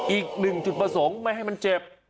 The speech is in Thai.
อีกหนึ่งจุดประสงค์ไม่ให้มันเจ็บ